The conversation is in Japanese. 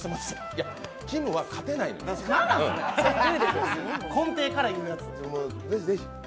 いや、きむは勝てないのよ。